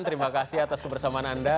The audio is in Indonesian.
terima kasih atas kebersamaan anda